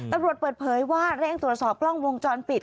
ตำรวจเปิดเผยว่าเร่งตรวจสอบกล้องวงจรปิด